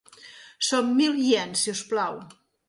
Son mil iens, si us plau.